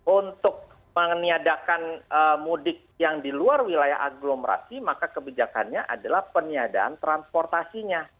untuk meniadakan mudik yang di luar wilayah agglomerasi maka kebijakannya adalah peniadaan transportasinya